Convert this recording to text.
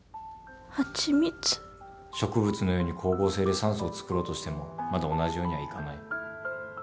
植物のように光合成で酸素をつくろうとしてもまだ同じようにはいかない。